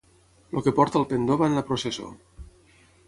El que porta el pendó va en la processó.